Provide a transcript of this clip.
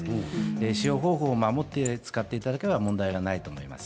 使用方法を守って使っていただければ問題がないと思います。